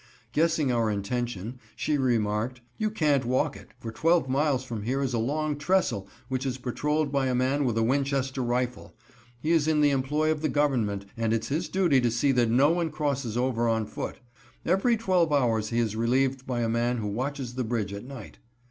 Guessing our intention, she remarked: "You can't walk it, for twelve miles from here is a long trestle, which is patrolled by a man with a Winchester rifle. He is in the employ of the government and it's his duty to see that no one crosses over on foot. Every twelve hours he is relieved by a man who watches the bridge at night."